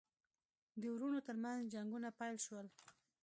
د وروڼو ترمنځ جنګونه پیل شول.